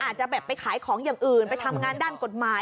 อาจจะแบบไปขายของอย่างอื่นไปทำงานด้านกฎหมาย